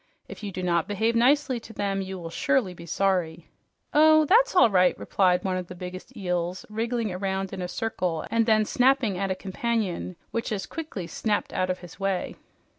If you do not behave nicely to them, you will surely be sorry." "Oh, that's all right," replied one of the biggest eels, wriggling around in a circle and then snapping at a companion, which as quickly snapped out of his way.